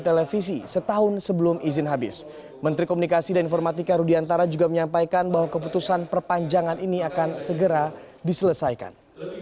kementerian komunikasi dan informatika rudi antara juga menyampaikan bahwa keputusan perpanjangan ini akan segera diselesaikan